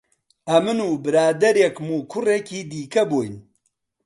ئەمن و برادەرێکم و کوڕێکی دیکە بووین